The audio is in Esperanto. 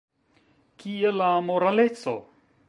Kie la moraleco?